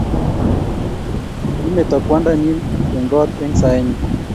kimeto kwanda nyij eng koot eng saenyi